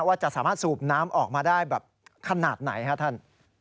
ว่าจะสามารถสูบน้ำออกมาได้แบบขนาดไหนครับท่าน